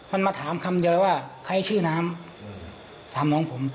มันมาถามคำเดียวเลยว่าใครชื่อน้ำถามน้องผม